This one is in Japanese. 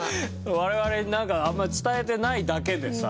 我々になんかあんま伝えてないだけでさ。